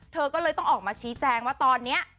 เธอก็เลยต้องออกมาชี้แจงว่าตอนนี้